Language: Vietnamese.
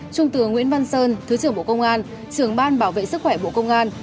trung tướng nguyễn văn sơn thứ trưởng bộ công an trưởng ban bảo vệ sức khỏe bộ công an